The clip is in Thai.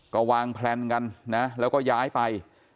ก็วางแพลนกันนะแล้วก็ย้ายไป